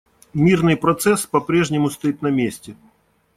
Мирный процесс попрежнему стоит на месте.